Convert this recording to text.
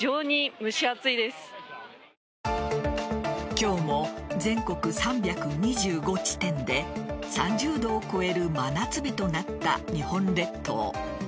今日も全国３２５地点で３０度を超える真夏日となった日本列島。